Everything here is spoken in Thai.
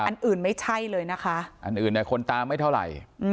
อันอื่นไม่ใช่เลยนะคะอันอื่นเนี่ยคนตามไม่เท่าไหร่